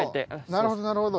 なるほどなるほど。